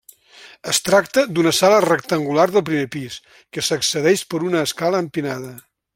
Es tracta d'una sala rectangular del primer pis, que s'accedeix per una escala empinada.